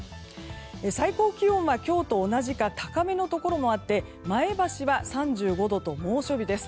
最高気温は今日と同じか高めのところもあって前橋は３５度と猛暑日です。